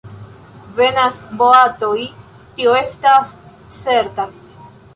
Venas boatoj, tio estas certa.